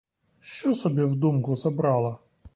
Що собі в думку забрала?